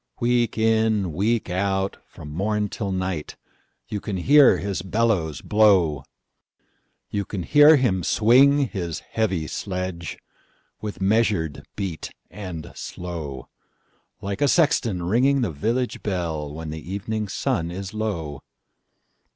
Week in, week out, from morn till night, You can hear his bellows blow; You can hear him swing his heavy sledgeWith measured beat and slow, Like a sexton ringing the village bell, When the evening sun is low.